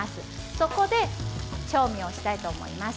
そこで調味をしたいと思います。